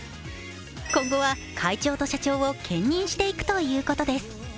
今後は、会長と社長を兼任していくということです。